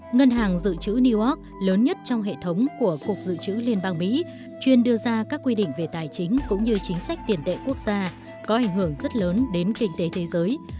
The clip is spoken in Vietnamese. ngân hàng dự trữ newark lớn nhất trong hệ thống của cục dự trữ liên bang mỹ chuyên đưa ra các quy định về tài chính cũng như chính sách tiền tệ quốc gia có ảnh hưởng rất lớn đến kinh tế thế giới